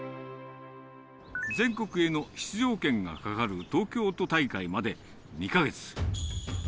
全国への出場権がかかる東京都大会まで２か月。